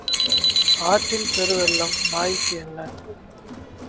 ஆற்றில் பெரு வெள்ளம் நாய்க்கு என்ன?